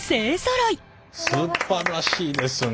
すばらしいですね。